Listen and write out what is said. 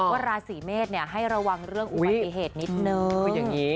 ราศีเมษให้ระวังเรื่องอุบัติเหตุนิดนึง